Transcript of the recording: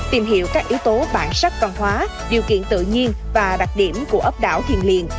tìm hiểu các yếu tố bản sắc văn hóa điều kiện tự nhiên và đặc điểm của ấp đảo thiền liền